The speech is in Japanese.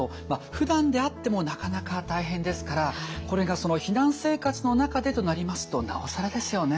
ふだんであってもなかなか大変ですからこれが避難生活の中でとなりますとなおさらですよね。